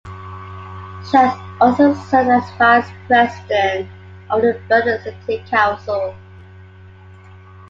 She has also served as vice president of the Berlin City Council.